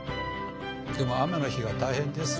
でも雨の日は大変ですよ。